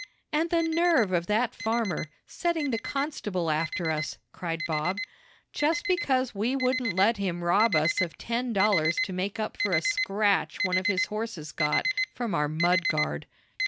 "And the nerve of that farmer, setting the constable after us!" cried Bob. "Just because we wouldn't let him rob us of ten dollars to make up for a scratch one of his horses got from our mud guard."